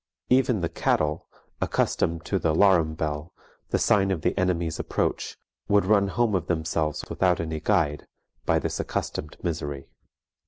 EVEN THE CATTELL, ACCUSTOMED TO THE LARUME BELL, THE SIGNE OF THE ENEMY'S APPROACH, WOULD RUN HOME OF THEMSELVES WITHOUT ANY GUIDE BY THIS ACCUSTOMED MISERY."